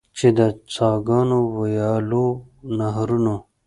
چې د څاګانو، ویالو، نهرونو.